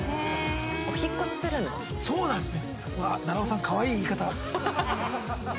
そうなんすね。